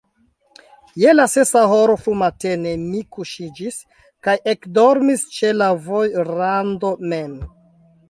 Je la sesa horo frumatene mi kuŝiĝis kaj ekdormis ĉe la vojrando mem.